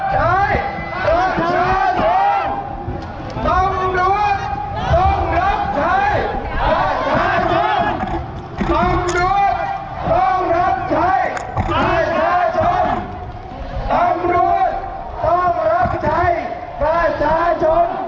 ต้องรวดต้องรับใจประชาชน